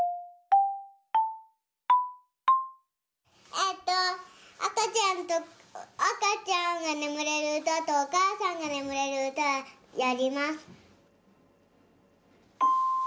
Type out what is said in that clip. えっとあかちゃんとあかちゃんがねむれるうたとおかあさんがねむれるうたやります。